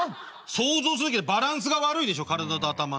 想像するだけでバランスが悪いでしょ体と頭の。